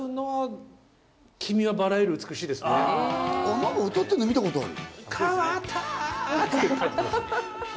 何か歌ってんの見たことある。